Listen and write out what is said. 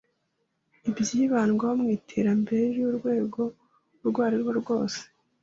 Ibyibandwaho mu iterambere ry’urwego urwo arirwo rwose